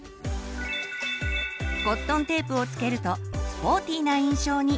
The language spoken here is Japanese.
コットンテープを付けるとスポーティーな印象に。